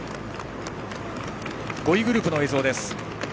５位グループの映像です。